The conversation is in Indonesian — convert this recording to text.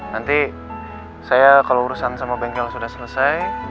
nanti saya kalau urusan sama bengkel sudah selesai